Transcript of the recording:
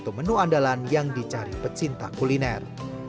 satu menu andalan yang dicari pecinta kuliner